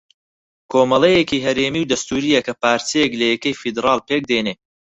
کۆمەڵەیەکی ھەرێمی و دەستوورییە کە پارچەیەک لە یەکەی فێدراڵ پێک دێنێ